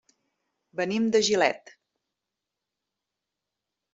Venim de Gilet.